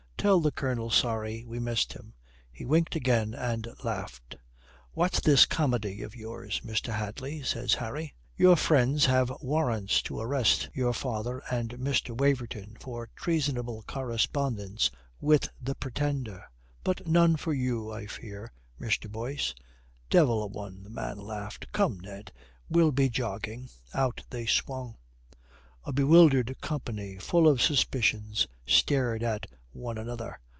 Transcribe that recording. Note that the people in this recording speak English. "Tell the Colonel, sorry we missed him," He winked again and laughed. "What's this comedy of yours, Mr. Hadley?" says Harry. "Your friends have warrants to arrest your father and Mr. Waverton for treasonable correspondence with the Pretender. But none for you, I fear, Mr. Boyce." "Devil a one," the man laughed. "Come, Ned, we'll be jogging," Out they swung. A bewildered company, full of suspicions, stared at one another.